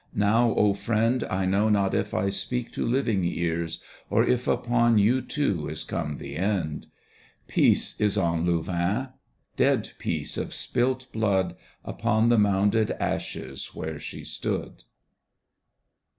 Now, O Friend, I know not if I speak to living ears Or if upon you too is come the end. Peace is on Louvain ; dead peace of spUt blood Upon the mounded ashes where she stood.